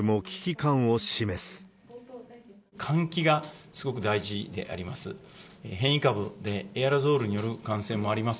換気がすごく大事であります。